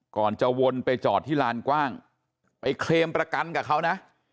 ก่อนจะวนไปจอดที่ลานกว้างไปเคลมประกันกับเขานะ